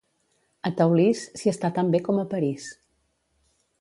A Teulís, s'hi està tan bé com a París.